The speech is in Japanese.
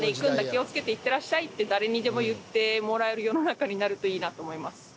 気を付けていってらっしゃい」って誰にでも言ってもらえる世の中になるといいなと思います。